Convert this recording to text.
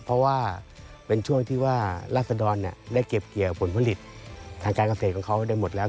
เพราะว่าเป็นช่วงที่ว่าราศดรได้เก็บเกี่ยวผลผลิตทางการเกษตรของเขาได้หมดแล้ว